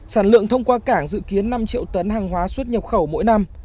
sản lượng thông qua cảng dự kiến năm triệu tấn hàng hóa xuất nhập khẩu mỗi năm